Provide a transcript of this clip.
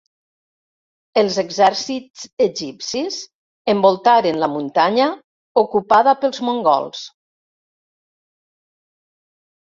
Els exèrcits egipcis envoltaren la muntanya ocupada pels mongols.